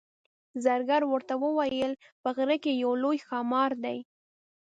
زرګر ورته وویل په غره کې یو لوی ښامار دی.